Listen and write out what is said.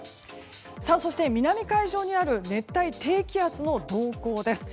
そして、南海上にある熱帯低気圧の動向です。